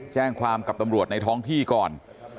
แจ้งความกับตำรวจในท้องที่ก่อน